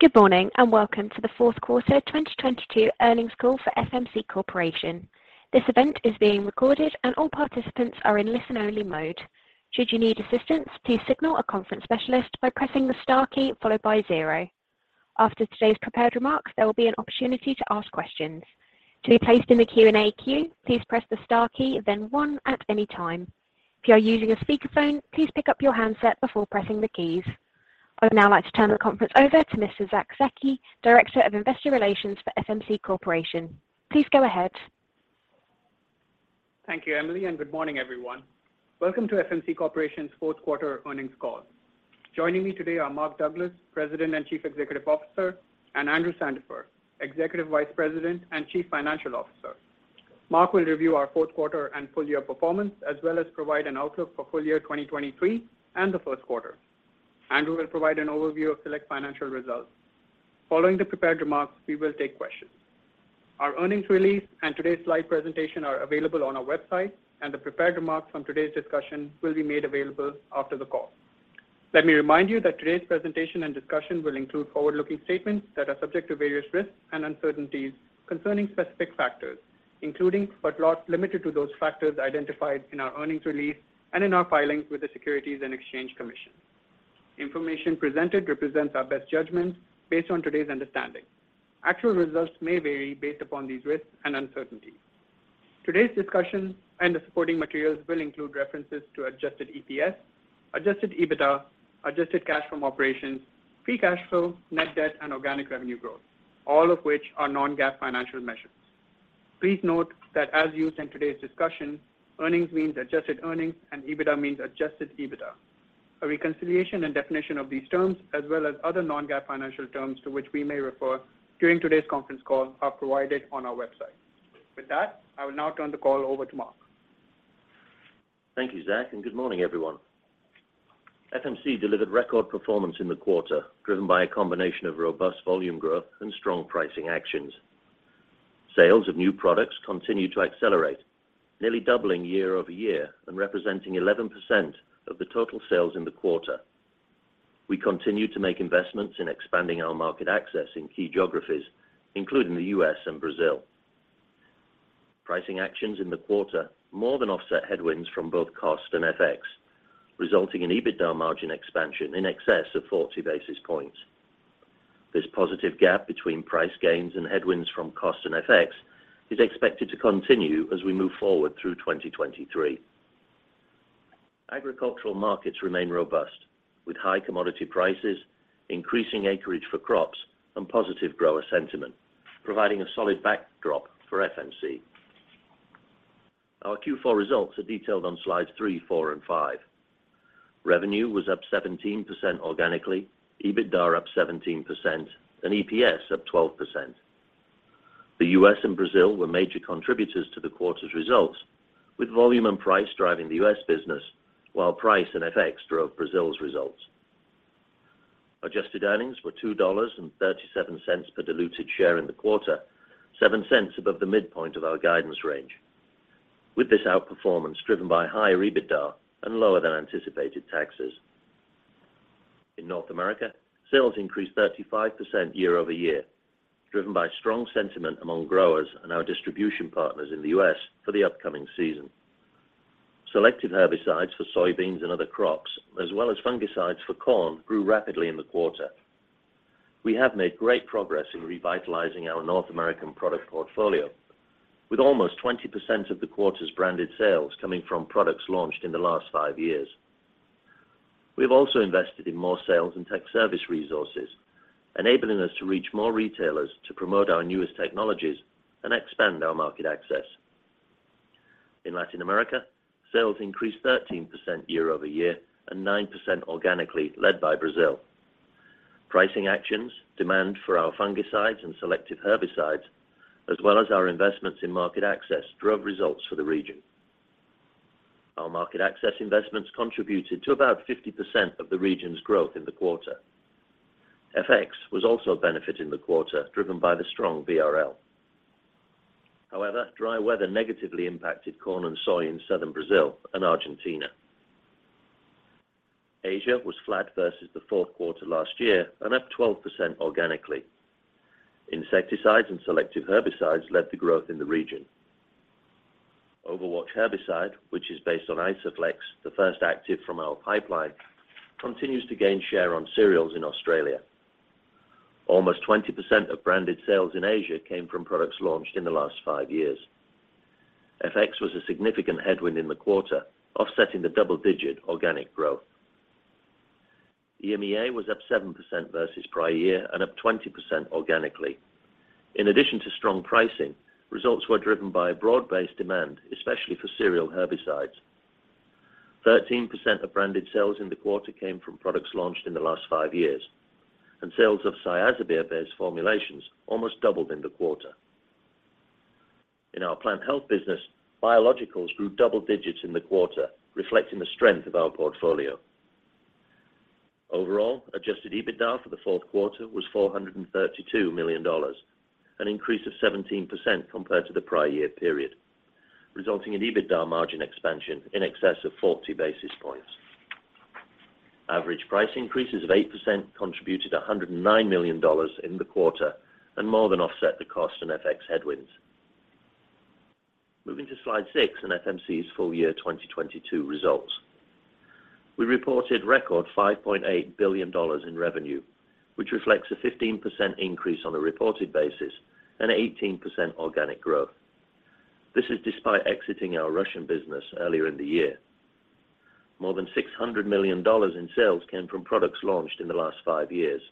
Good morning. Welcome to the Q4 2022 earnings call for FMC Corporation. This event is being recorded and all participants are in listen-only mode. Should you need assistance, please signal a conference specialist by pressing the star key followed by 0. After today's prepared remarks, there will be an opportunity to ask questions. To be placed in the Q&A queue, please press the star key, then 1 at any time. If you are using a speakerphone, please pick up your handset before pressing the keys. I would now like to turn the conference over to Mr. Zack Zaki, Director of Investor Relations for FMC Corporation. Please go ahead. Thank you, Emily, and good morning, everyone. Welcome to FMC Corporation's Q4 earnings call. Joining me today are Mark Douglas, President and Chief Executive Officer, and Andrew Sandifer, Executive Vice President and Chief Financial Officer. Mark will review our Q4 and full year performance, as well as provide an outlook for full year 2023 and the Q1. Andrew will provide an overview of select financial results. Following the prepared remarks, we will take questions. Our earnings release and today's slide presentation are available on our website. The prepared remarks from today's discussion will be made available after the call. Let me remind you that today's presentation and discussion will include forward-looking statements that are subject to various risks and uncertainties concerning specific factors, including but not limited to those factors identified in our earnings release and in our filings with the Securities and Exchange Commission. Information presented represents our best judgment based on today's understanding. Actual results may vary based upon these risks and uncertainties. Today's discussion and the supporting materials will include references to adjusted EPS, adjusted EBITDA, adjusted cash from operations, free cash flow, net debt, and organic revenue growth, all of which are non-GAAP financial measures. Please note that as used in today's discussion, earnings means adjusted earnings and EBITDA means adjusted EBITDA. A reconciliation and definition of these terms, as well as other non-GAAP financial terms to which we may refer during today's conference call, are provided on our website. With that, I will now turn the call over to Mark. Thank you, Zack. Good morning, everyone. FMC delivered record performance in the quarter, driven by a combination of robust volume growth and strong pricing actions. Sales of new products continued to accelerate, nearly doubling year-over-year and representing 11% of the total sales in the quarter. We continued to make investments in expanding our market access in key geographies, including the U.S. and Brazil. Pricing actions in the quarter more than offset headwinds from both cost and FX, resulting in EBITDA margin expansion in excess of 40 basis points. This positive gap between price gains and headwinds from cost and FX is expected to continue as we move forward through 2023. Agricultural markets remain robust with high commodity prices, increasing acreage for crops and positive grower sentiment, providing a solid backdrop for FMC. Our Q4 results are detailed on slides 3, 4, and 5. Revenue was up 17% organically, EBITDA up 17% and EPS up 12%. The U.S. and Brazil were major contributors to the quarter's results, with volume and price driving the U.S. business while price and FX drove Brazil's results. Adjusted earnings were $2.37 per diluted share in the quarter, $0.07 above the midpoint of our guidance range. With this outperformance driven by higher EBITDA and lower than anticipated taxes. In North America, sales increased 35% year-over-year, driven by strong sentiment among growers and our distribution partners in the U.S. for the upcoming season. Selective herbicides for soybeans and other crops, as well as fungicides for corn, grew rapidly in the quarter. We have made great progress in revitalizing our North American product portfolio, with almost 20% of the quarter's branded sales coming from products launched in the last five years. We have also invested in more sales and tech service resources, enabling us to reach more retailers to promote our newest technologies and expand our market access. In Latin America, sales increased 13% year-over-year and 9% organically, led by Brazil. Pricing actions, demand for our fungicides and selective herbicides, as well as our investments in market access, drove results for the region. Our market access investments contributed to about 50% of the region's growth in the quarter. FX was also a benefit in the quarter, driven by the strong BRL. However, dry weather negatively impacted corn and soy in Southern Brazil and Argentina. Asia was flat versus the 4th quarter last year and up 12% organically. Insecticides and selective herbicides led the growth in the region. Overwatch herbicide, which is based on Isoflex, the first active from our pipeline, continues to gain share on cereals in Australia. Almost 20% of branded sales in Asia came from products launched in the last 5 years. FX was a significant headwind in the quarter, offsetting the double-digit organic growth. EMEA was up 7% versus prior year and up 20% organically. In addition to strong pricing, results were driven by a broad-based demand, especially for cereal herbicides. 13% of branded sales in the quarter came from products launched in the last 5 years, and sales of Cyazypyr-based formulations almost doubled in the quarter. In our plant health business, biologicals grew double digits in the quarter, reflecting the strength of our portfolio. Overall, adjusted EBITDA for the Q4 was $432 million, an increase of 17% compared to the prior year period. Resulting in EBITDA margin expansion in excess of 40 basis points. Average price increases of 8% contributed $109 million in the quarter and more than offset the cost and FX headwinds. Moving to slide 6 and FMC's full year 2022 results. We reported record $5.8 billion in revenue, which reflects a 15% increase on a reported basis and 18% organic growth. This is despite exiting our Russian business earlier in the year. More than $600 million in sales came from products launched in the last 5 years,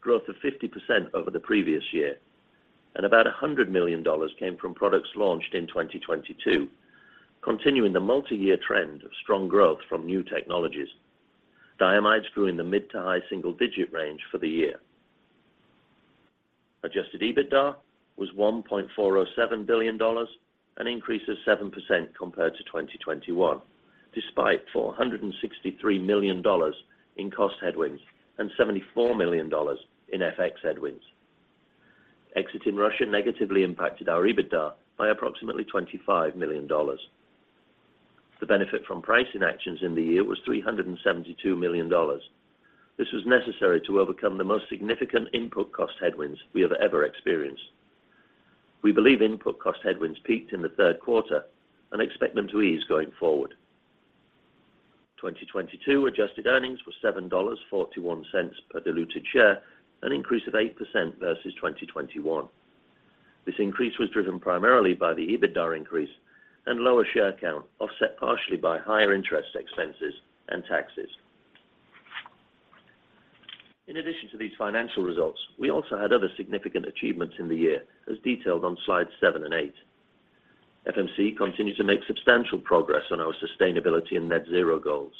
growth of 50% over the previous year, and about $100 million came from products launched in 2022. Continuing the multi-year trend of strong growth from new technologies. Diamides grew in the mid to high single-digit range for the year. Adjusted EBITDA was $1.407 billion, an increase of 7% compared to 2021, despite $463 million in cost headwinds and $74 million in FX headwinds. Exiting Russia negatively impacted our EBITDA by approximately $25 million. The benefit from pricing actions in the year was $372 million. This was necessary to overcome the most significant input cost headwinds we have ever experienced. We believe input cost headwinds peaked in the Q3 and expect them to ease going forward. 2022 adjusted earnings were $7.41 per diluted share, an increase of 8% versus 2021. This increase was driven primarily by the EBITDA increase and lower share count, offset partially by higher interest expenses and taxes. In addition to these financial results, we also had other significant achievements in the year as detailed on slide 7 and 8. FMC continued to make substantial progress on our sustainability and net zero goals.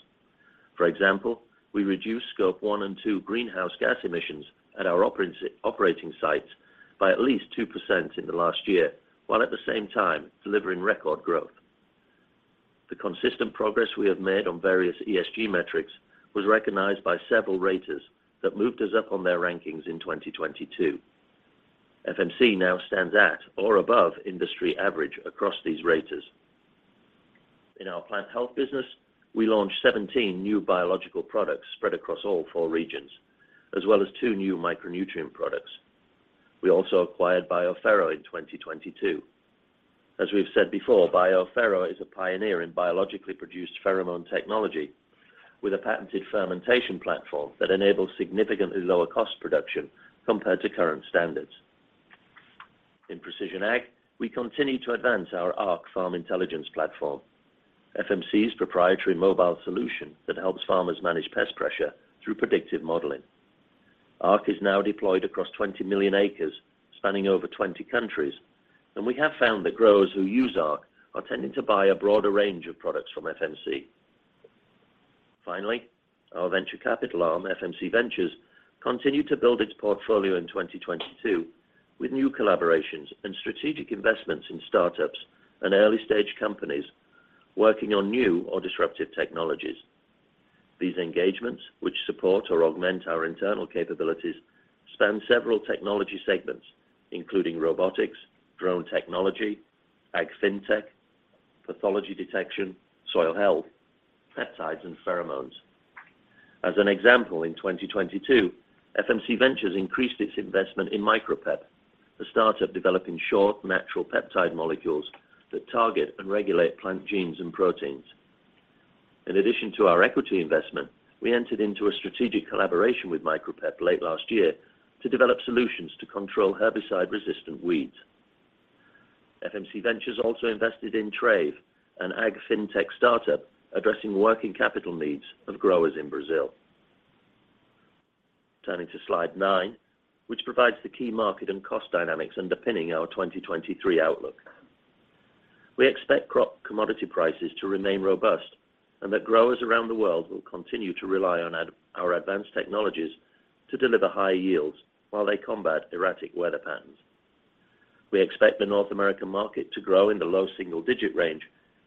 For example, we reduced Scope 1 and 2 greenhouse gas emissions at our operating sites by at least 2% in the last year, while at the same time delivering record growth. The consistent progress we have made on various ESG metrics was recognized by several raters that moved us up on their rankings in 2022. FMC now stands at or above industry average across these raters. In our plant health business, we launched 17 new biological products spread across all four regions, as well as two new micronutrient products. We also acquired BioPhero in 2022. As we've said before, BioPhero is a pioneer in biologically produced pheromone technology with a patented fermentation platform that enables significantly lower cost production compared to current standards. In Precision Ag, we continue to advance our Arc farm intelligence platform, FMC's proprietary mobile solution that helps farmers manage pest pressure through predictive modeling. ARC is now deployed across 20 million acres, spanning over 20 countries, and we have found that growers who use ARC are tending to buy a broader range of products from FMC. Finally, our venture capital arm, FMC Ventures, continued to build its portfolio in 2022 with new collaborations and strategic investments in startups and early-stage companies working on new or disruptive technologies. These engagements, which support or augment our internal capabilities, span several technology segments, including robotics, drone technology, Ag Fintech, pathology detection, soil health, pesticides, and pheromones. As an example, in 2022, FMC Ventures increased its investment in Micropep, a startup developing short, natural peptide molecules that target and regulate plant genes and proteins. In addition to our equity investment, we entered into a strategic collaboration with Micropep late last year to develop solutions to control herbicide-resistant weeds. FMC Ventures also invested in Traive, an Ag Fintech startup addressing working capital needs of growers in Brazil. Turning to slide 9, which provides the key market and cost dynamics underpinning our 2023 outlook. We expect crop commodity prices to remain robust and that growers around the world will continue to rely on our advanced technologies to deliver high yields while they combat erratic weather patterns. We expect the North American market to grow in the low single-digit range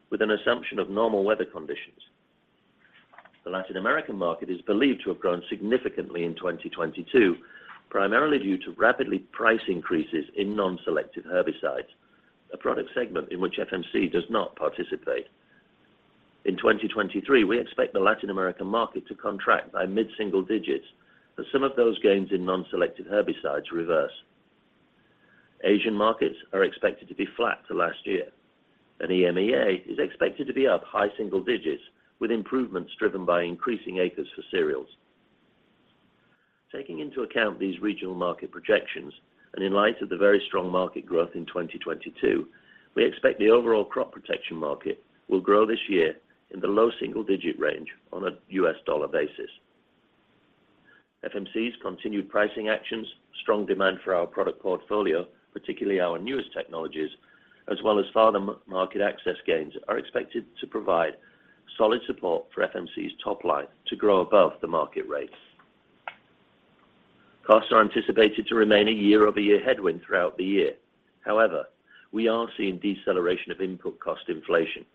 with an assumption of normal weather conditions. The Latin American market is believed to have grown significantly in 2022, primarily due to rapidly price increases in non-selective herbicides, a product segment in which FMC does not participate. In 2023, we expect the Latin American market to contract by mid-single digits as some of those gains in non-selective herbicides reverse. Asian markets are expected to be flat to last year, and EMEA is expected to be up high single digits with improvements driven by increasing acres for cereals. Taking into account these regional market projections and in light of the very strong market growth in 2022, we expect the overall crop protection market will grow this year in the low single-digit range on a US dollar basis. FMC's continued pricing actions, strong demand for our product portfolio, particularly our newest technologies, as well as farther market access gains, are expected to provide solid support for FMC's top line to grow above the market rates. Costs are anticipated to remain a year-over-year headwind throughout the year. We are seeing deceleration of input cost inflation,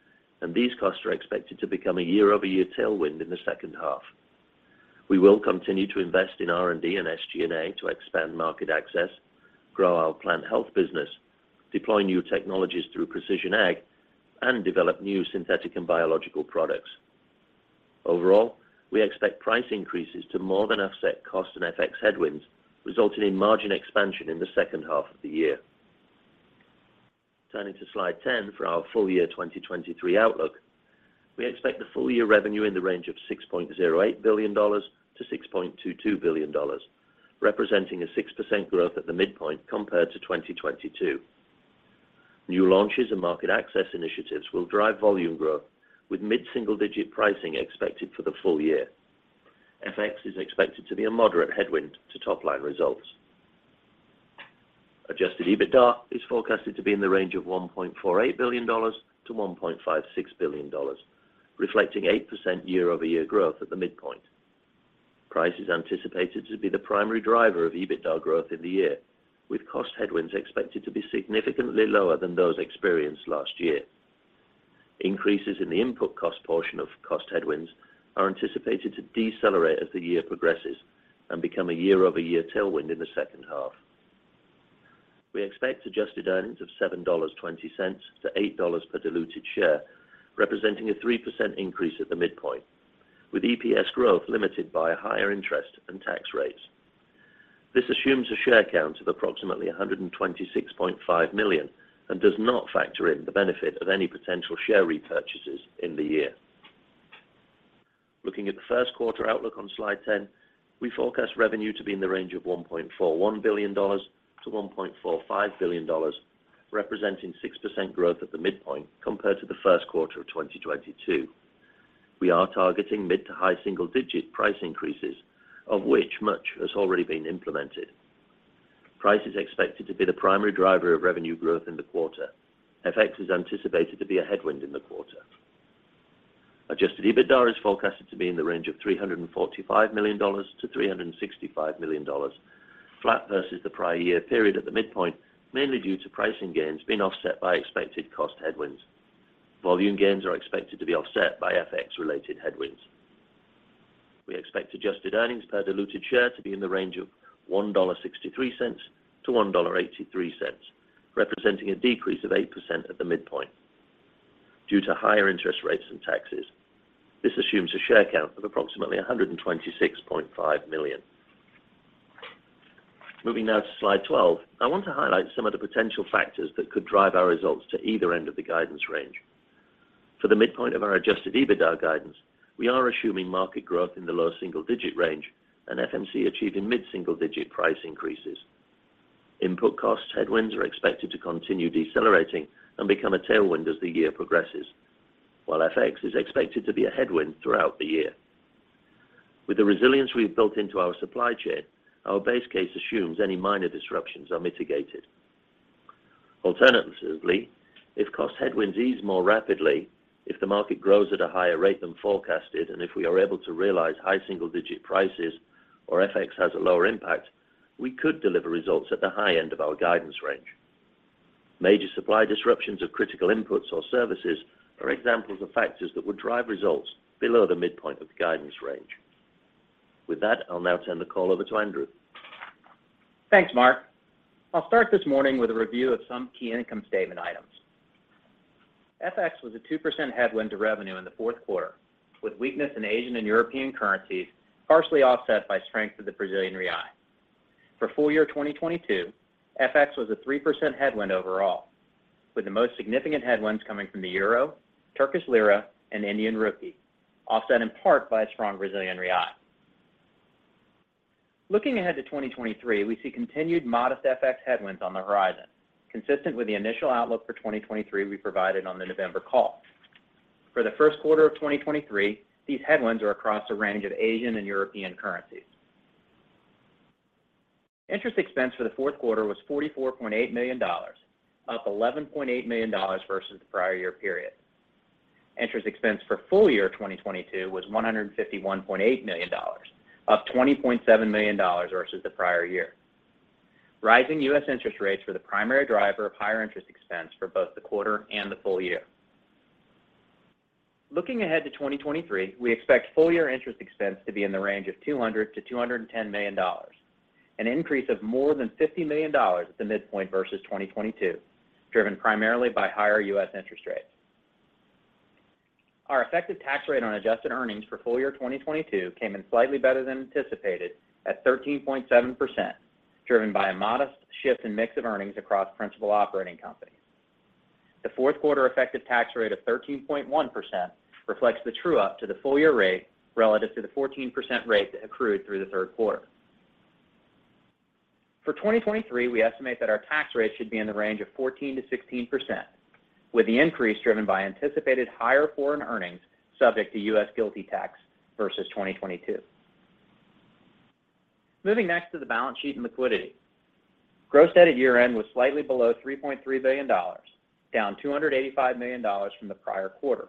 and these costs are expected to become a year-over-year tailwind in the second half. We will continue to invest in R&D and SG&A to expand market access, grow our plant health business, deploy new technologies through Precision Ag and develop new synthetic and biological products. Overall, we expect price increases to more than offset cost and FX headwinds, resulting in margin expansion in the second half of the year. Turning to slide 10 for our full year 2023 outlook. We expect the full year revenue in the range of $6.08 billion-$6.22 billion, representing a 6% growth at the midpoint compared to 2022. New launches and market access initiatives will drive volume growth with mid-single-digit pricing expected for the full year. FX is expected to be a moderate headwind to top line results. Adjusted EBITDA is forecasted to be in the range of $1.48 billion-$1.56 billion, reflecting 8% year-over-year growth at the midpoint. Price is anticipated to be the primary driver of EBITDA growth in the year, with cost headwinds expected to be significantly lower than those experienced last year. Increases in the input cost portion of cost headwinds are anticipated to decelerate as the year progresses and become a year-over-year tailwind in the second half. We expect adjusted earnings of $7.20-$8.00 per diluted share, representing a 3% increase at the midpoint, with EPS growth limited by higher interest and tax rates. This assumes a share count of approximately 126.5 million and does not factor in the benefit of any potential share repurchases in the year. Looking at the Q1 outlook on Slide 10, we forecast revenue to be in the range of $1.41 billion-$1.45 billion, representing 6% growth at the midpoint compared to the Q1 of 2022. We are targeting mid to high single-digit price increases, of which much has already been implemented. Price is expected to be the primary driver of revenue growth in the quarter. FX is anticipated to be a headwind in the quarter. Adjusted EBITDA is forecasted to be in the range of $345 million-$365 million flat versus the prior year period at the midpoint, mainly due to pricing gains being offset by expected cost headwinds. Volume gains are expected to be offset by FX related headwinds. We expect adjusted earnings per diluted share to be in the range of $1.63-$1.83, representing a decrease of 8% at the midpoint due to higher interest rates and taxes. This assumes a share count of approximately 126.5 million. Moving now to slide 12. I want to highlight some of the potential factors that could drive our results to either end of the guidance range. For the midpoint of our adjusted EBITDA guidance, we are assuming market growth in the low single-digit range and FMC achieving mid single-digit price increases. Input costs headwinds are expected to continue decelerating and become a tailwind as the year progresses. FX is expected to be a headwind throughout the year. With the resilience we've built into our supply chain, our base case assumes any minor disruptions are mitigated. If cost headwinds ease more rapidly, if the market grows at a higher rate than forecasted, and if we are able to realize high single-digit prices or FX has a lower impact, we could deliver results at the high end of our guidance range. Major supply disruptions of critical inputs or services are examples of factors that would drive results below the midpoint of the guidance range. With that, I'll now turn the call over to Andrew. Thanks, Mark. I'll start this morning with a review of some key income statement items. FX was a 2% headwind to revenue in the Q4, with weakness in Asian and European currencies partially offset by strength of the Brazilian real. For full year 2022, FX was a 3% headwind overall, with the most significant headwinds coming from the euro, Turkish lira and Indian rupee, offset in part by a strong Brazilian real. Looking ahead to 2023, we see continued modest FX headwinds on the horizon, consistent with the initial outlook for 2023 we provided on the November call. For the Q1 of 2023, these headwinds are across a range of Asian and European currencies. Interest expense for the Q4 was $44.8 million, up $11.8 million versus the prior year period. Interest expense for full year 2022 was $151.8 million, up $20.7 million versus the prior year. Rising U.S. interest rates were the primary driver of higher interest expense for both the quarter and the full year. Looking ahead to 2023, we expect full year interest expense to be in the range of $200 million-$210 million, an increase of more than $50 million at the midpoint versus 2022, driven primarily by higher U.S. interest rates. Our effective tax rate on adjusted earnings for full year 2022 came in slightly better than anticipated at 13.7%, driven by a modest shift in mix of earnings across principal operating companies. The Q4 effective tax rate of 13.1% reflects the true-up to the full year rate relative to the 14% rate that accrued through the Q3. For 2023, we estimate that our tax rate should be in the range of 14%-16%, with the increase driven by anticipated higher foreign earnings subject to US GILTI tax versus 2022. Moving next to the balance sheet and liquidity. Gross debt at year-end was slightly below $3.3 billion, down $285 million from the prior quarter.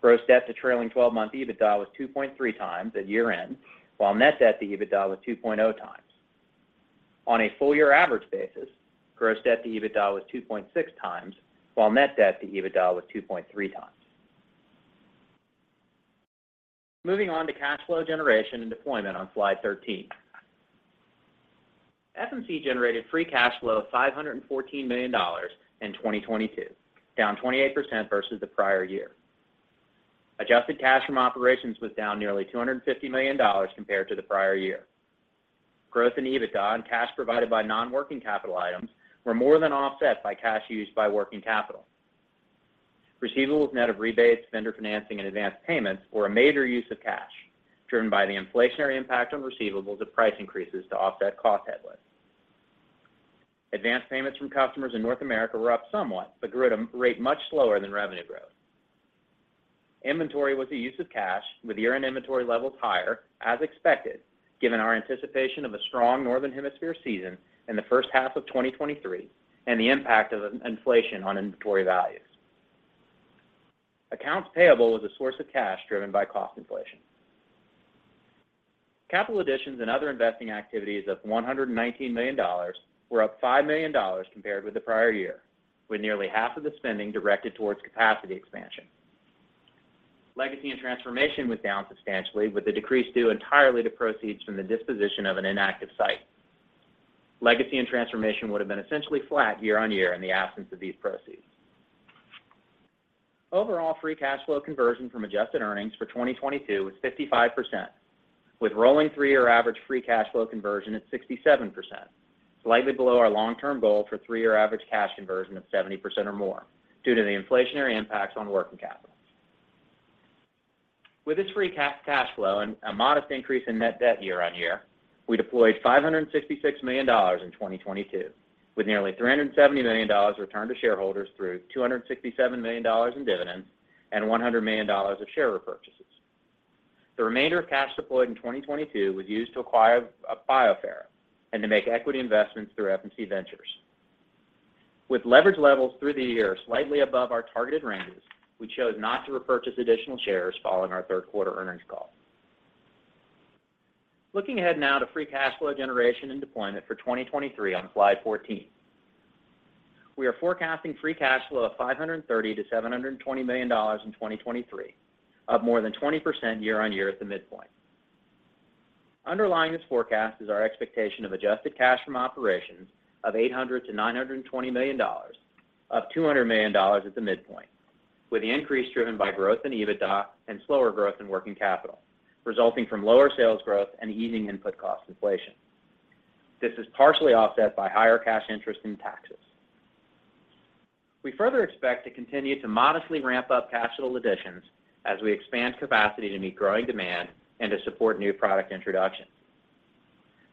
Gross debt to trailing twelve-month EBITDA was 2.3x at year-end, while net debt to EBITDA was 2.0x. On a full year average basis, gross debt to EBITDA was 2.6x, while net debt to EBITDA was 2.3x. Moving on to cash flow generation and deployment on slide 13. FMC generated free cash flow of $514 million in 2022, down 28% versus the prior year. Adjusted cash from operations was down nearly $250 million compared to the prior year. Growth in EBITDA and cash provided by non-working capital items were more than offset by cash used by working capital. Receivables net of rebates, vendor financing and advanced payments were a major use of cash, driven by the inflationary impact on receivables of price increases to offset cost headwinds. Advanced payments from customers in North America were up somewhat, but grew at a rate much slower than revenue growth. Inventory was a use of cash with year-end inventory levels higher as expected given our anticipation of a strong Northern Hemisphere season in the first half of 2023 and the impact of inflation on inventory values. Accounts payable was a source of cash driven by cost inflation. Capital additions and other investing activities of $119 million were up $5 million compared with the prior year, with nearly half of the spending directed towards capacity expansion. Legacy and transformation was down substantially with the decrease due entirely to proceeds from the disposition of an inactive site. Legacy and transformation would have been essentially flat year-on-year in the absence of these proceeds. Overall, free cash flow conversion from adjusted earnings for 2022 was 55%, with rolling three-year average free cash flow conversion at 67%, slightly below our long-term goal for three-year average cash conversion of 70% or more due to the inflationary impacts on working capital. With this free cash flow and a modest increase in net debt year-on-year, we deployed $566 million in 2022, with nearly $370 million returned to shareholders through $267 million in dividends and $100 million of share repurchases. The remainder of cash deployed in 2022 was used to acquire BioPhero and to make equity investments through FMC Ventures. With leverage levels through the year slightly above our targeted ranges, we chose not to repurchase additional shares following our Q3 earnings call. Looking ahead now to free cash flow generation and deployment for 2023 on slide 14. We are forecasting free cash flow of $530 million-$720 million in 2023, up more than 20% year-on-year at the midpoint. Underlying this forecast is our expectation of adjusted cash from operations of $800 million-$920 million, up $200 million at the midpoint, with the increase driven by growth in EBITDA and slower growth in working capital, resulting from lower sales growth and easing input cost inflation. This is partially offset by higher cash interest in taxes. We further expect to continue to modestly ramp up capital additions as we expand capacity to meet growing demand and to support new product introductions.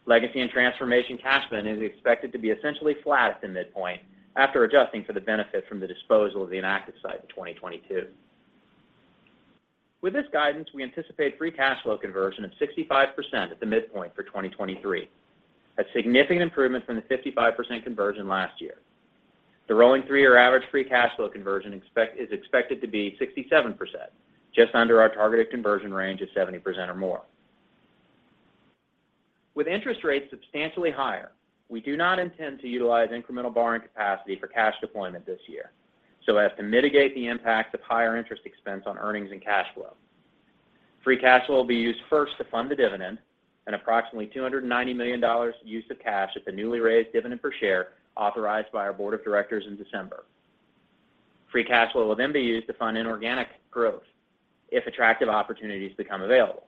Legacy and transformation cash spend is expected to be essentially flat at the midpoint after adjusting for the benefit from the disposal of the inactive site in 2022. With this guidance, we anticipate free cash flow conversion of 65% at the midpoint for 2023, a significant improvement from the 55% conversion last year. The rolling three-year average free cash flow conversion is expected to be 67%, just under our targeted conversion range of 70% or more. With interest rates substantially higher, we do not intend to utilize incremental borrowing capacity for cash deployment this year so as to mitigate the impact of higher interest expense on earnings and cash flow. Free cash flow will be used first to fund the dividend and approximately $290 million use of cash at the newly raised dividend per share authorized by our board of directors in December. Free cash flow will be used to fund inorganic growth if attractive opportunities become available.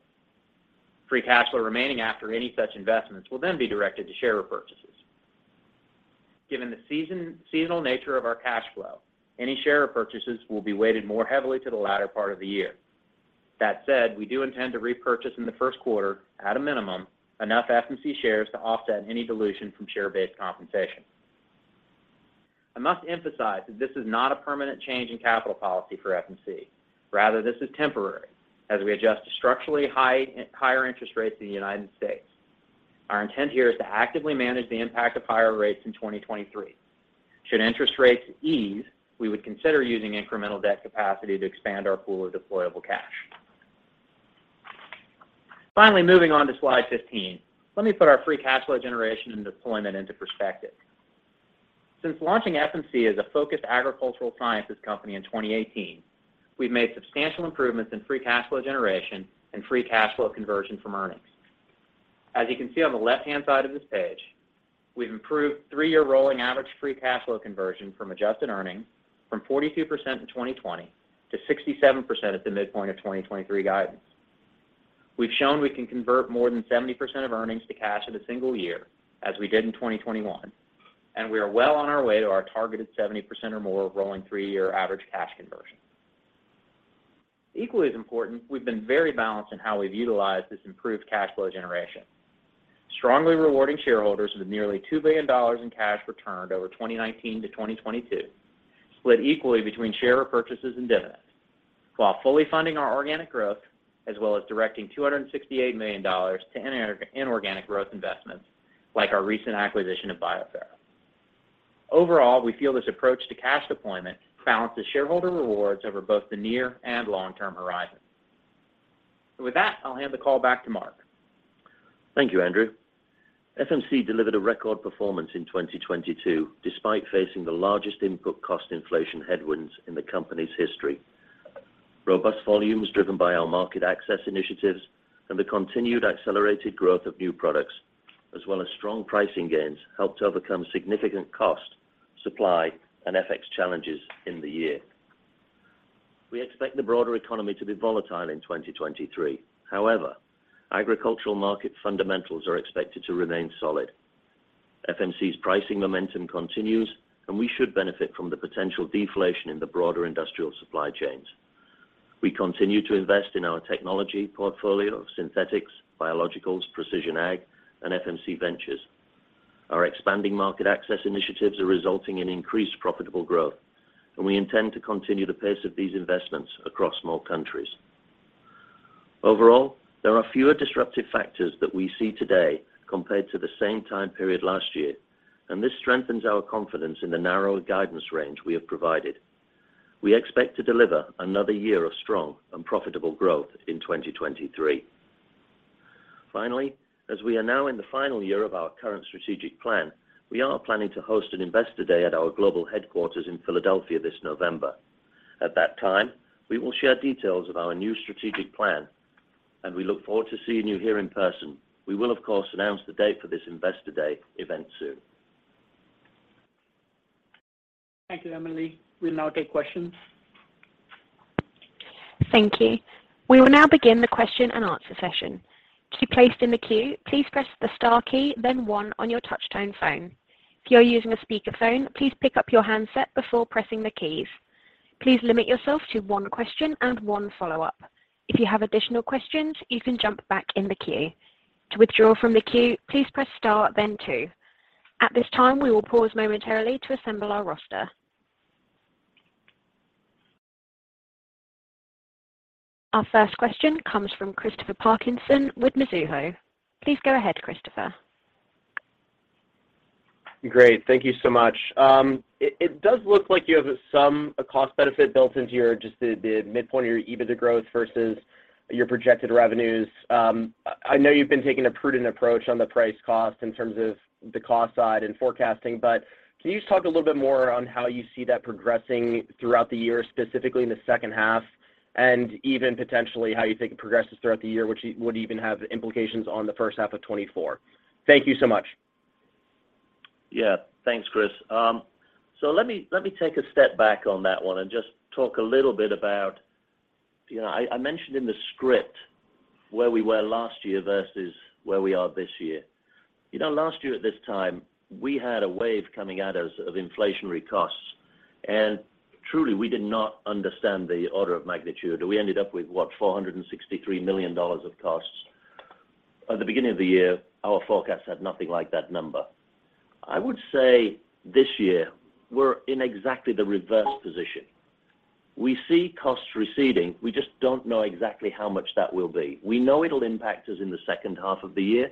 Free cash flow remaining after any such investments will then be directed to share repurchases. Given the seasonal nature of our cash flow, any share repurchases will be weighted more heavily to the latter part of the year. We do intend to repurchase in the Q1 at a minimum enough FMC shares to offset any dilution from share-based compensation. I must emphasize that this is not a permanent change in capital policy for FMC. This is temporary as we adjust to structurally higher interest rates in the United States. Our intent here is to actively manage the impact of higher rates in 2023. Should interest rates ease, we would consider using incremental debt capacity to expand our pool of deployable cash. Finally, moving on to slide 15. Let me put our free cash flow generation and deployment into perspective. Since launching FMC as a focused agricultural sciences company in 2018, we've made substantial improvements in free cash flow generation and free cash flow conversion from earnings. As you can see on the left-hand side of this page, we've improved three-year rolling average free cash flow conversion from adjusted earnings from 42% in 2020 to 67% at the midpoint of 2023 guidance. We've shown we can convert more than 70% of earnings to cash in a single year, as we did in 2021, and we are well on our way to our targeted 70% or more of rolling three-year average cash conversion. Equally as important, we've been very balanced in how we've utilized this improved cash flow generation. Strongly rewarding shareholders with nearly $2 billion in cash returned over 2019 to 2022, split equally between share repurchases and dividends while fully funding our organic growth as well as directing $268 million to inorganic growth investments like our recent acquisition of BioPhero. Overall, we feel this approach to cash deployment balances shareholder rewards over both the near and long-term horizon. With that, I'll hand the call back to Mark. Thank you, Andrew. FMC delivered a record performance in 2022, despite facing the largest input cost inflation headwinds in the company's history. Robust volumes driven by our market access initiatives and the continued accelerated growth of new products, as well as strong pricing gains, helped to overcome significant cost, supply, and FX challenges in the year. We expect the broader economy to be volatile in 2023. However, agricultural market fundamentals are expected to remain solid. FMC's pricing momentum continues, and we should benefit from the potential deflation in the broader industrial supply chains. We continue to invest in our technology portfolio of synthetics, biologicals, Precision Ag, and FMC Ventures. Our expanding market access initiatives are resulting in increased profitable growth, and we intend to continue the pace of these investments across more countries. Overall, there are fewer disruptive factors that we see today compared to the same time period last year, and this strengthens our confidence in the narrower guidance range we have provided. We expect to deliver another year of strong and profitable growth in 2023. Finally, as we are now in the final year of our current strategic plan, we are planning to host an investor day at our global headquarters in Philadelphia this November. At that time, we will share details of our new strategic plan, and we look forward to seeing you here in person. We will, of course, announce the date for this investor day event soon. Thank you, Emily. We'll now take questions. Thank you. We will now begin the question and answer session. To be placed in the queue, please press the star key, then one on your touch tone phone. If you are using a speakerphone, please pick up your handset before pressing the keys. Please limit yourself to one question and one follow-up. If you have additional questions, you can jump back in the queue. To withdraw from the queue, please press star then two. At this time, we will pause momentarily to assemble our roster. Our first question comes from Christopher Parkinson with Mizuho. Please go ahead, Christopher. Great. Thank you so much. It does look like you have some cost benefit built into your just the midpoint of your EBITDA growth versus your projected revenues. I know you've been taking a prudent approach on the price cost in terms of the cost side and forecasting. Can you just talk a little bit more on how you see that progressing throughout the year, specifically in the second half? Even potentially how you think it progresses throughout the year, which would even have implications on the first half of 2024. Thank you so much. Thanks, Chris. Let me take a step back on that one and just talk a little bit about, you know. I mentioned in the script where we were last year versus where we are this year. You know, last year at this time, we had a wave coming at us of inflationary costs. Truly, we did not understand the order of magnitude. We ended up with, what, $463 million of costs. At the beginning of the year, our forecast had nothing like that number. I would say this year we're in exactly the reverse position. We see costs receding. We just don't know exactly how much that will be. We know it'll impact us in the second half of the year.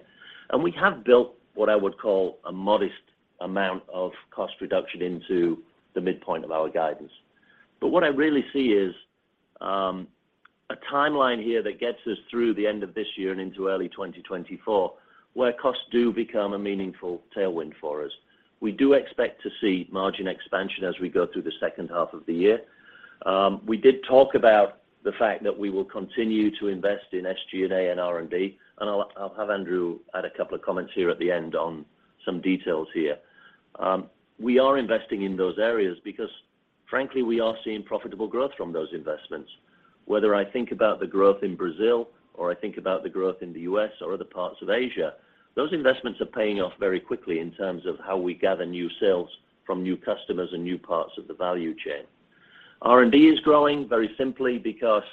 We have built what I would call a modest amount of cost reduction into the midpoint of our guidance. What I really see is a timeline here that gets us through the end of this year and into early 2024, where costs do become a meaningful tailwind for us. We do expect to see margin expansion as we go through the second half of the year. We did talk about the fact that we will continue to invest in SG&A and R&D. I'll have Andrew add a couple of comments here at the end on some details here. We are investing in those areas because, frankly, we are seeing profitable growth from those investments. Whether I think about the growth in Brazil or I think about the growth in the US or other parts of Asia, those investments are paying off very quickly in terms of how we gather new sales from new customers and new parts of the value chain. R&D is growing very simply because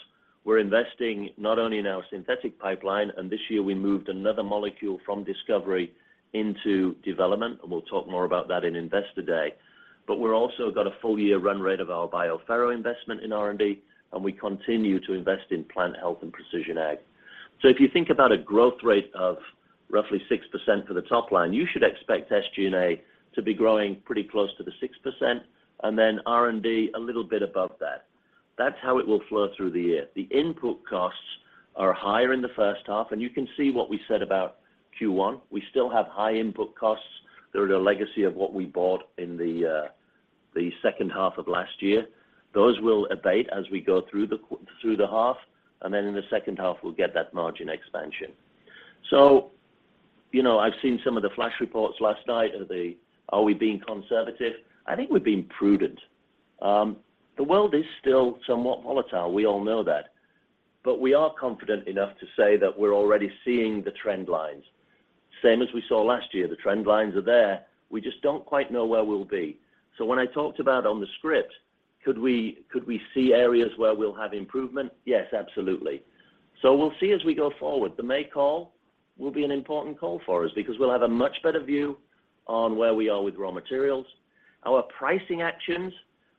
we're investing not only in our synthetic pipeline, and this year we moved another molecule from discovery into development, and we'll talk more about that in Investor Day. We're also got a full year run rate of our BioPhero investment in R&D, and we continue to invest in plant health and Precision Ag. If you think about a growth rate of roughly 6% for the top line, you should expect SG&A to be growing pretty close to the 6% and then R&D a little bit above that. That's how it will flow through the year. The input costs are higher in the first half, and you can see what we said about Q1. We still have high input costs. They're at a legacy of what we bought in the second half of last year. Those will abate as we go through the half, and then in the second half, we'll get that margin expansion. You know, I've seen some of the flash reports last night. Are we being conservative? I think we're being prudent. The world is still somewhat volatile. We all know that. We are confident enough to say that we're already seeing the trend lines. Same as we saw last year. The trend lines are there. We just don't quite know where we'll be. When I talked about on the script, could we see areas where we'll have improvement? Yes, absolutely. We'll see as we go forward. The May call will be an important call for us because we'll have a much better view on where we are with raw materials. Our pricing actions,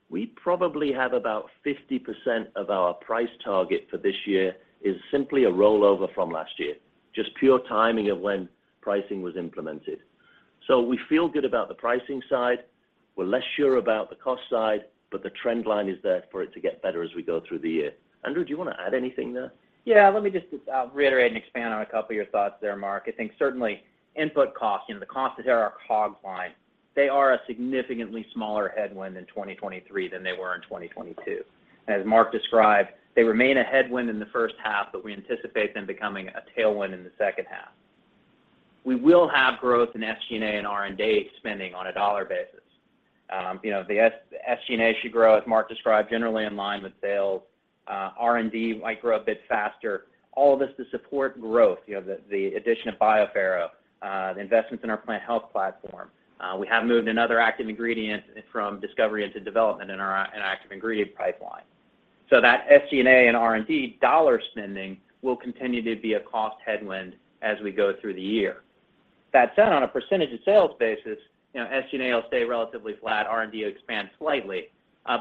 we probably have about 50% of our price target for this year is simply a rollover from last year. Just pure timing of when pricing was implemented. We feel good about the pricing side. We're less sure about the cost side, but the trend line is there for it to get better as we go through the year. Andrew, do you want to add anything there? Yeah. Let me just reiterate and expand on a couple of your thoughts there, Mark. I think certainly input costs, you know, the cost of our COG line, they are a significantly smaller headwind in 2023 than they were in 2022. As Mark described, they remain a headwind in the first half, but we anticipate them becoming a tailwind in the second half. We will have growth in SG&A and R&D spending on a dollar basis. You know, the SG&A should grow, as Mark described, generally in line with sales. R&D might grow a bit faster. All of this to support growth. You know, the addition of BioPhero, the investments in our plant health platform. We have moved another active ingredient from discovery into development in our active ingredient pipeline. That SG&A and R&D dollar spending will continue to be a cost headwind as we go through the year. That said, on a percentage of sales basis, you know, SG&A will stay relatively flat. R&D will expand slightly.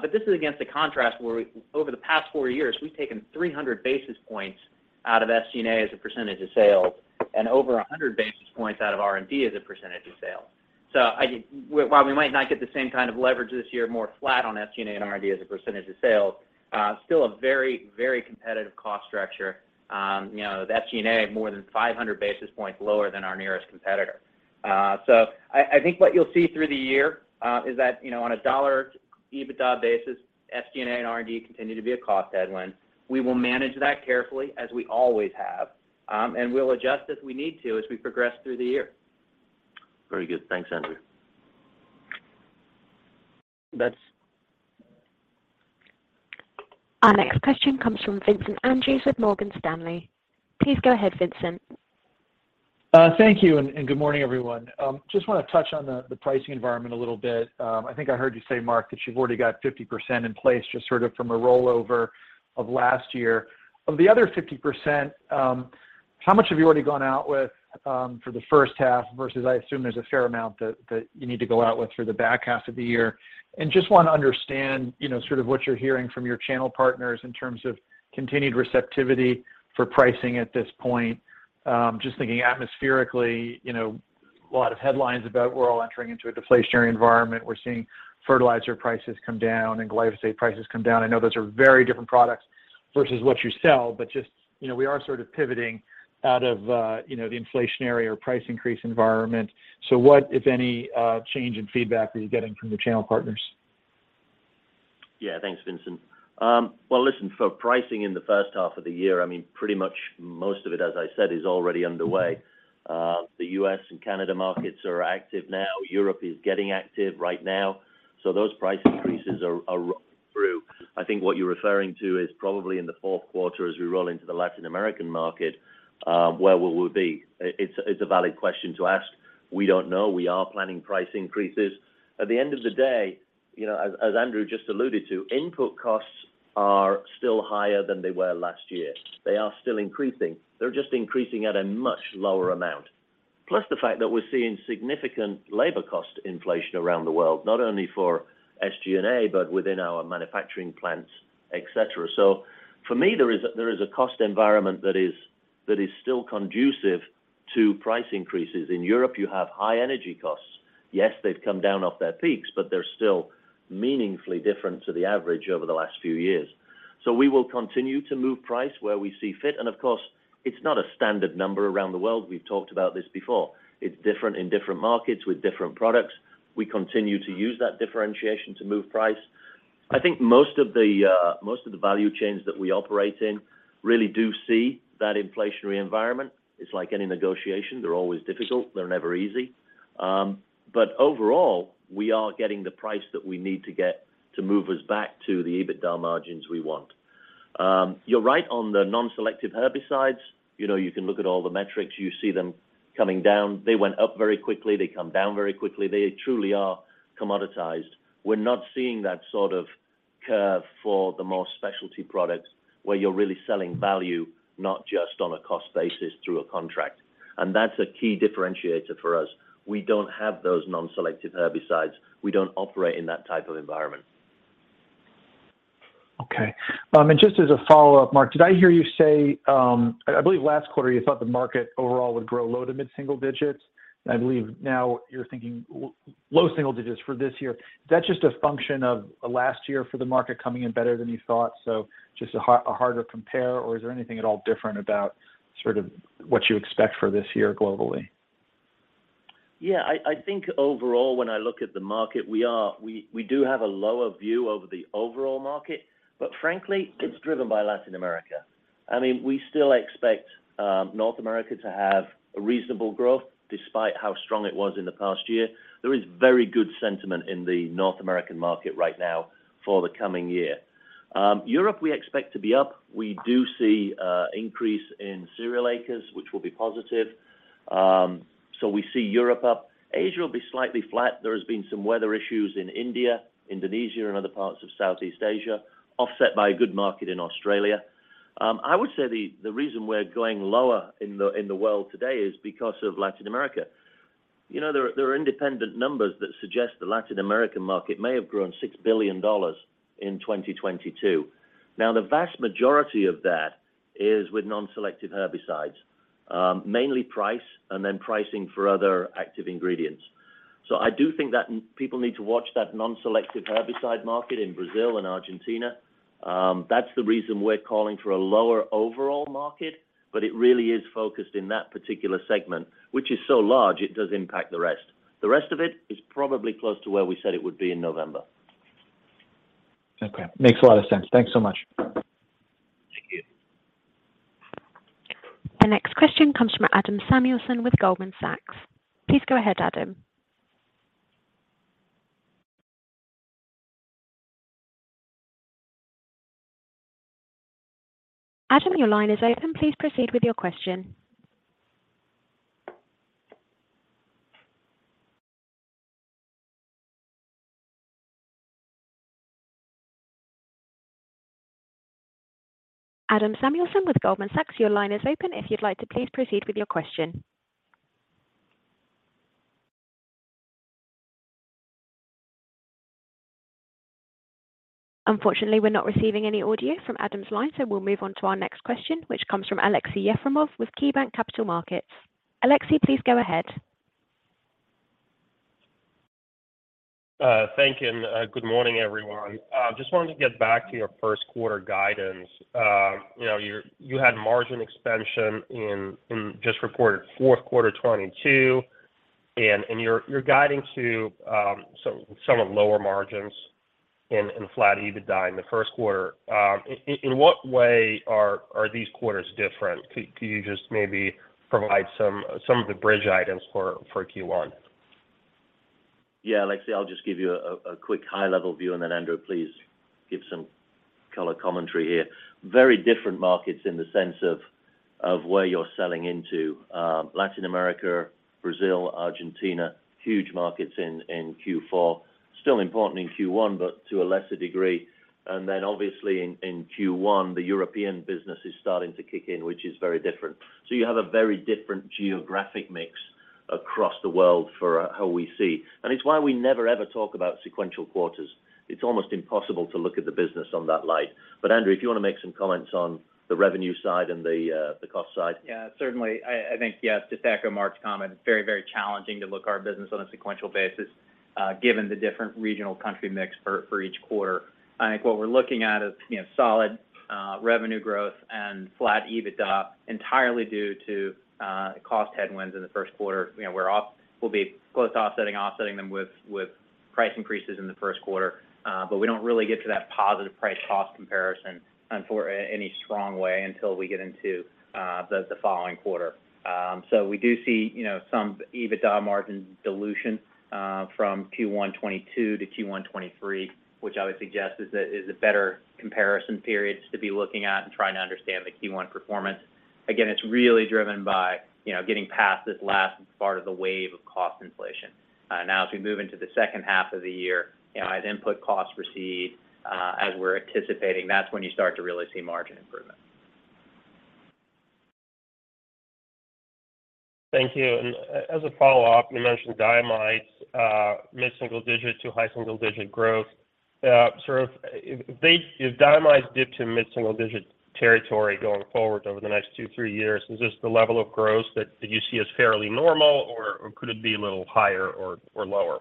This is against the contrast where over the past 4 years, we've taken 300 basis points out of SG&A as a percentage of sales and over 100 basis points out of R&D as a percentage of sales. While we might not get the same kind of leverage this year, more flat on SG&A and R&D as a percentage of sales, still a very, very competitive cost structure. You know, the SG&A more than 500 basis points lower than our nearest competitor. I think what you'll see through the year, is that, you know, on a dollar EBITDA basis, SG&A and R&D continue to be a cost headwind. We will manage that carefully, as we always have, and we'll adjust as we need to as we progress through the year. Very good. Thanks, Andrew. That's- Our next question comes from Vincent Andrews with Morgan Stanley. Please go ahead, Vincent. Thank you, and good morning, everyone. Just want to touch on the pricing environment a little bit. I think I heard you say, Mark, that you've already got 50% in place just sort of from a rollover of last year. Of the other 50%, how much have you already gone out with for the first half versus I assume there's a fair amount that you need to go out with for the back half of the year? Just want to understand, you know, sort of what you're hearing from your channel partners in terms of continued receptivity for pricing at this point. Just thinking atmospherically, you know, a lot of headlines about we're all entering into a deflationary environment. We're seeing fertilizer prices come down and glyphosate prices come down. I know those are very different products versus what you sell, but just, you know, we are sort of pivoting out of, you know, the inflationary or price increase environment. What, if any, change in feedback are you getting from your channel partners? Yeah. Thanks, Vincent. Well, listen, for pricing in the first half of the year, I mean, pretty much most of it, as I said, is already underway. The U.S. and Canada markets are active now. Europe is getting active right now. Those price increases are through. I think what you're referring to is probably in the Q4 as we roll into the Latin American market, where will we be? It's a valid question to ask. We don't know. We are planning price increases. At the end of the day, you know, as Andrew just alluded to, input costs are still higher than they were last year. They are still increasing. They're just increasing at a much lower amount. Plus the fact that we're seeing significant labor cost inflation around the world, not only for SG&A, but within our manufacturing plants, et cetera. For me, there is a cost environment that is still conducive to price increases. In Europe, you have high energy costs. Yes, they've come down off their peaks, but they're still meaningfully different to the average over the last few years. We will continue to move price where we see fit. Of course, it's not a standard number around the world. We've talked about this before. It's different in different markets with different products. We continue to use that differentiation to move price. I think most of the value chains that we operate in really do see that inflationary environment. It's like any negotiation. They're always difficult. They're never easy. Overall, we are getting the price that we need to get to move us back to the EBITDA margins we want. You're right on the non-selective herbicides. You know, you can look at all the metrics. You see them coming down. They went up very quickly. They come down very quickly. They truly are commoditized. We're not seeing that sort of curve for the more specialty products where you're really selling value, not just on a cost basis through a contract, and that's a key differentiator for us. We don't have those non-selective herbicides. We don't operate in that type of environment. Okay. Just as a follow-up, Mark, did I hear you say, I believe last quarter you thought the market overall would grow low to mid single digits? I believe now you're thinking low single digits for this year. Is that just a function of last year for the market coming in better than you thought? Just a harder compare, or is there anything at all different about sort of what you expect for this year globally? I think overall when I look at the market, we do have a lower view over the overall market, but frankly, it's driven by Latin America. I mean, we still expect North America to have a reasonable growth despite how strong it was in the past year. There is very good sentiment in the North American market right now for the coming year. Europe we expect to be up. We do see increase in cereal acres, which will be positive. We see Europe up. Asia will be slightly flat. There has been some weather issues in India, Indonesia and other parts of Southeast Asia, offset by a good market in Australia. I would say the reason we're going lower in the world today is because of Latin America. You know, there are independent numbers that suggest the Latin American market may have grown $6 billion in 2022. Now, the vast majority of that is with non-selective herbicides. Mainly price and then pricing for other active ingredients. I do think that people need to watch that non-selective herbicide market in Brazil and Argentina. That's the reason we're calling for a lower overall market, but it really is focused in that particular segment, which is so large, it does impact the rest. The rest of it is probably close to where we said it would be in November. Okay. Makes a lot of sense. Thanks so much. Thank you. The next question comes from Adam Samuelson with Goldman Sachs. Please go ahead, Adam. Adam, your line is open. Please proceed with your question. Adam Samuelson with Goldman Sachs, your line is open. If you'd like to, please proceed with your question. Unfortunately, we're not receiving any audio from Adam's line, so we'll move on to our next question, which comes from Aleksey Yefremov with KeyBanc Capital Markets. Aleksey, please go ahead. Thank you, and good morning, everyone. Just wanted to get back to your Q1 guidance. you know, you had margin expansion in just reported 4th quarter 2022, and you're guiding to so some of lower margins and flat EBITDA in the Q1. In what way are these quarters different? Could you just maybe provide some of the bridge items for Q1? Yeah. Alexi, I'll just give you a quick high-level view. Andrew, please give some color commentary here. Very different markets in the sense of where you're selling into. Latin America, Brazil, Argentina, huge markets in Q4. Still important in Q1, but to a lesser degree. Obviously in Q1, the European business is starting to kick in, which is very different. You have a very different geographic mix across the world for how we see. It's why we never ever talk about sequential quarters. It's almost impossible to look at the business on that light. Andrew, if you wanna make some comments on the revenue side and the cost side. Certainly. I think, just to echo Mark's comment, it's very, very challenging to look our business on a sequential basis, given the different regional country mix for each quarter. I think what we're looking at is, you know, solid revenue growth and flat EBITDA entirely due to cost headwinds in the Q1. You know, we'll be close to offsetting them with price increases in the Q1. We don't really get to that positive price cost comparison any strong way until we get into the following quarter. We do see, you know, some EBITDA margin dilution from Q1 2022 to Q1 2023, which I would suggest is a better comparison periods to be looking at and trying to understand the Q1 performance. Again, it's really driven by, you know, getting past this last part of the wave of cost inflation. Now as we move into the second half of the year, you know, as input costs recede, as we're anticipating, that's when you start to really see margin improvement. Thank you. As a follow-up, you mentioned diamides, mid-single digit to high single digit growth. Sort of if diamides dip to mid-single digit territory going forward over the next 2, 3 years, is this the level of growth that you see as fairly normal or could it be a little higher or lower?